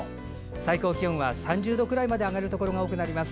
最高気温は３０度くらいまで上がるところが多くなります。